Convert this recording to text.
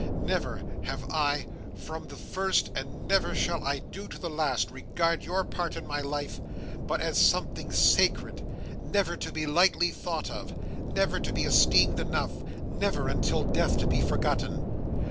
Never have I from the first, and never shall I to the last, regard your part in my life, but as something sacred, never to be lightly thought of, never to be esteemed enough, never, until death, to be forgotten.